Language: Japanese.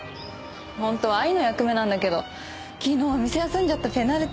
本当は愛の役目なんだけど昨日店休んじゃったペナルティーで。